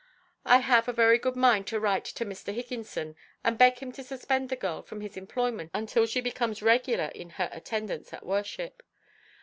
I have a very good mind to write to Mr. Higginson and beg him to suspend the girl from his employment until she becomes regular in her attendance at worship.